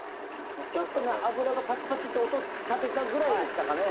ちょっとね油がパチパチって音立てたぐらいでしたかね。